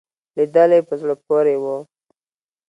لیدلې په زړه پورې وو.